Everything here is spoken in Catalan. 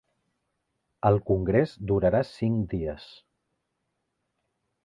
El congrés durarà cinc dies